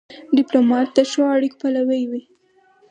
ډيپلومات د ښو اړیکو پلوی وي.